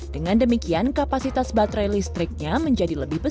dengan demikian kapasitas baterai listriknya menjadi lebih besar